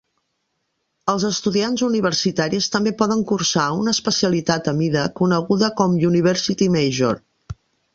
Els estudiants universitaris també poden cursar una especialitat a mida, coneguda com "University Major".